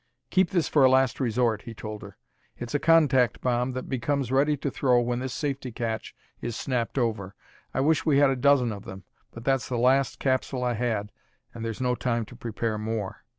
"Keep this for a last resort," he told her. "It's a contact bomb that becomes ready to throw when this safety catch is snapped over. I wish we had a dozen of them, but that's the last capsule I had and there's no time to prepare more."